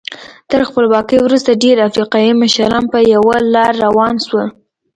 تر خپلواکۍ وروسته ډېری افریقایي مشران په یوه لار روان شول.